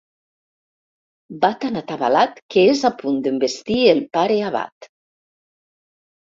Va tan atabalat que és a punt d'envestir el pare abat.